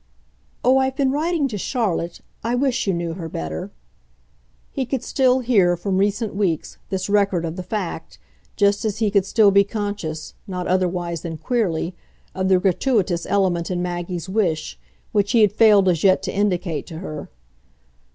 "Oh, I've been writing to Charlotte I wish you knew her better:" he could still hear, from recent weeks, this record of the fact, just as he could still be conscious, not otherwise than queerly, of the gratuitous element in Maggie's wish, which he had failed as yet to indicate to her.